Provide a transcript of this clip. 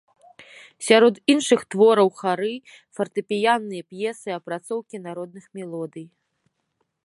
Сярод іншых твораў хары, фартэпіянныя п'есы, апрацоўкі народных мелодый.